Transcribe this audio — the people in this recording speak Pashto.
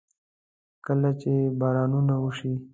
کله چې بارانونه وشي.